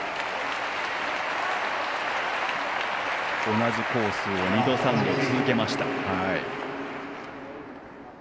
同じコースを二度、三度続けました。